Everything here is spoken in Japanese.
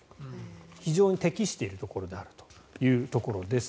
非常に適しているところであるというところです。